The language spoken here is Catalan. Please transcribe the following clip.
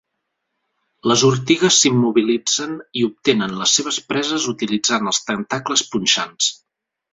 Les ortigues s'immobilitzen i obtenen les seves preses utilitzant els tentacles punxants.